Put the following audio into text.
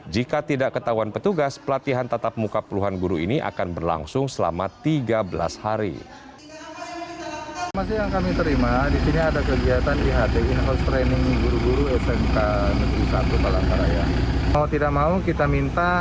jika tidak ketahuan petugas pelatihan tatap muka puluhan guru ini akan berlangsung selama tiga belas hari